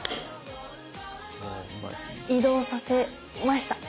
移動させました！